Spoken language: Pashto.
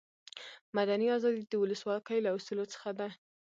مدني آزادي د ولسواکي له اصولو څخه ده.